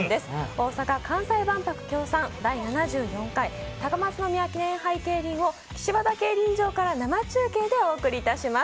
大阪・関西万博協賛、第７４回高松宮記念杯競輪を岸和田競輪場から生中継でお送りいたします。